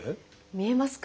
見えますか？